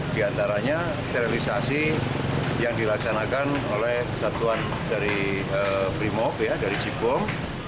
di antaranya sterilisasi yang dilaksanakan oleh kesatuan dari brimob dari cibom